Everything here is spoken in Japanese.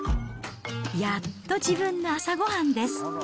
やっと自分の朝ごはんです。